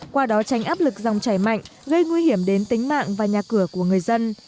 qua đó tránh áp lực dòng chảy mạnh gây nguy hiểm đến tính mạng và nhà cửa của người dân